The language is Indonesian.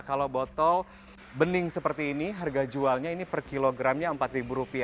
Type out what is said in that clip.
kalau botol bening seperti ini harga jualnya ini per kilogramnya rp empat